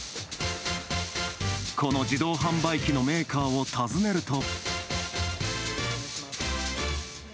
この自動販売機のメーカーを訪ねると。